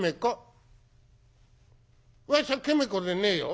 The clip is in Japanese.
「わしゃケメ子でねえよ」。